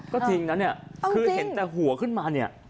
ก็จริงนะเนี่ยคือเห็นแต่หัวขึ้นมาเนี่ย